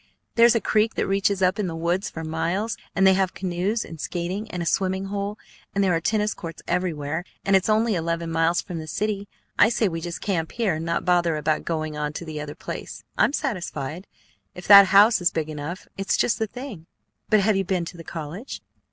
There's a creek that reaches up in the woods for miles; and they have canoes and skating and a swimming hole; and there are tennis courts everywhere; and it's only eleven miles from the city. I say we just camp here, and not bother about going on to the other place. I'm satisfied. If that house is big enough, it's just the thing." "But have you been to the college?"